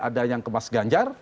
ada yang ke mas ganjar